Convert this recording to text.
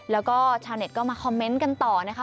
แล้วก็ชาวเน็ตก็มาคอมเมนต์กันต่อนะคะ